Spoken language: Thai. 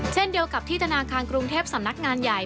เช่นเดียวกับที่ธนาคารกรุงเทพสำนักงานใหญ่